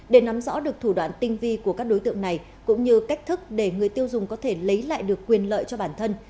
để nắm rõ được thủ đoạn tinh vi của các đối tượng này cũng như cách thức để người tiêu dùng có thể lấy lại được quyền lợi cho bản thân